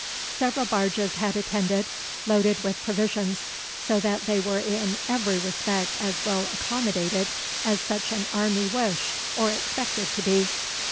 Several barges had attended, loaded with provisions, so that they were in every respect as well accommodated as such an army wished or expected to be.